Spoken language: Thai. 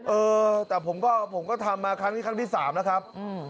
เออแต่ผมก็ทำมาครั้งนี้ครั้งที่๓นะครับ